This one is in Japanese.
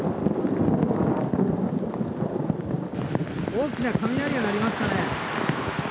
大きな雷が鳴りましたね。